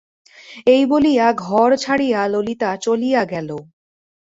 এই বলিয়া ঘর ছাড়িয়া ললিতা চলিয়া গেল।